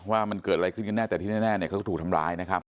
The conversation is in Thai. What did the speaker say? ว่ามันเกิดอะไรขึ้นกันแน่แต่ที่แน่เนี่ยเขาก็ถูกทำร้ายนะครับ